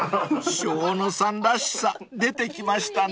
［生野さんらしさ出てきましたね］